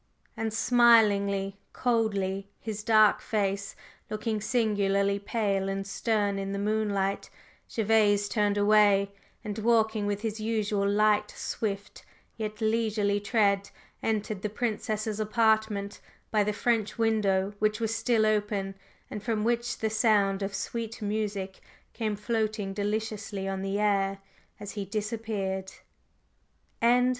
And smiling coldly, his dark face looking singularly pale and stern in the moonlight, Gervase turned away, and, walking with his usual light, swift, yet leisurely tread, entered the Princess's apartment by the French window which was still open, and from which the sound of sweet music came floating deliciously on the air as he disappeared.